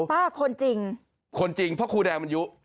คนจริงคนจริงเพราะครูแดงมันยุ